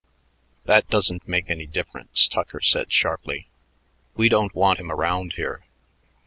"That doesn't make any difference," Tucker said sharply. "We don't want him around here.